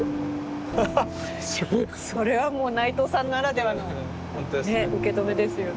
それはもう内藤さんならではの受け止めですよね。